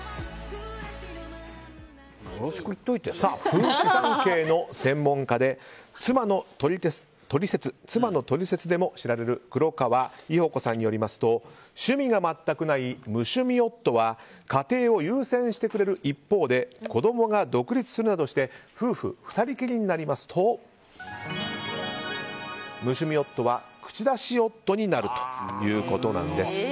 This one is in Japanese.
夫婦関係の専門家で「妻のトリセツ」でも知られる黒川伊保子さんによりますと趣味が全くない無趣味夫は家庭を優先してくれる一方で子供が独立するなどして夫婦２人きりになりますと無趣味夫は口出し夫になるということなんです。